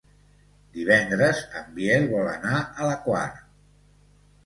Divendres en Biel vol anar a la Quar.